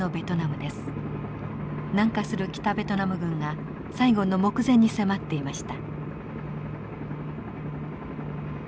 南下する北ベトナム軍がサイゴンの目前に迫っていました。